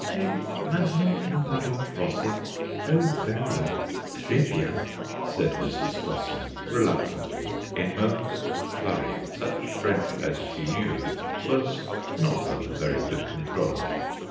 Mais maintenant, nous parlons français." "Oh, very well, trés bien," said Mrs. Stossen reluctantly; in moments of flurry such French as she knew was not under very good control.